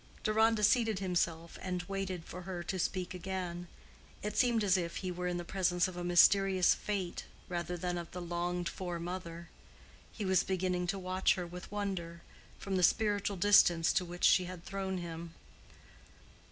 Deronda seated himself and waited for her to speak again. It seemed as if he were in the presence of a mysterious Fate rather than of the longed for mother. He was beginning to watch her with wonder, from the spiritual distance to which she had thrown him.